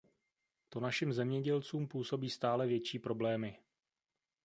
To našim zemědělcům působí stále větší problémy.